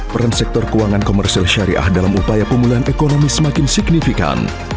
peran sektor keuangan komersil syariah dalam upaya pemulihan ekonomi semakin signifikan